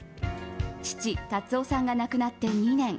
父・辰夫さんが亡くなって２年。